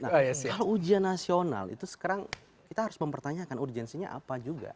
nah kalau ujian nasional itu sekarang kita harus mempertanyakan urgensinya apa juga